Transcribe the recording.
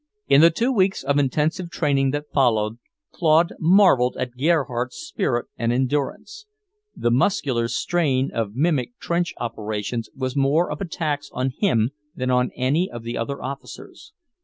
In the two weeks of intensive training that followed, Claude marvelled at Gerhardt's spirit and endurance. The muscular strain of mimic trench operations was more of a tax on him than on any of the other officers.